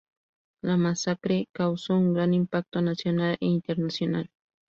La masacre causó un gran impacto nacional e internacional.